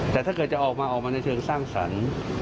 แต่ถ้าเกิดจะออกมาออกมาในเชิงสร้างสรรค์